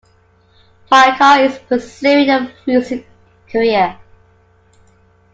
Pacar is pursuing a music career.